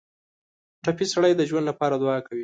ټپي سړی د ژوند لپاره دعا کوي.